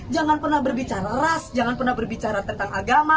jangan pernah berbicara ras jangan pernah berbicara tentang agama